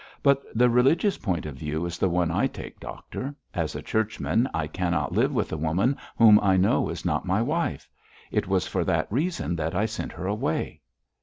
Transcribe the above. But the religious point of view is the one I take, doctor; as a Churchman, I cannot live with a woman whom I know is not my wife. It was for that reason that I sent her away!'